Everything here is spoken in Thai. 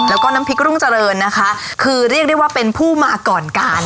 แล้วก็น้ำพริกรุ่งเจริญนะคะคือเรียกได้ว่าเป็นผู้มาก่อนการ